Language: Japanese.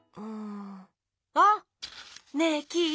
あっ！ねえキイ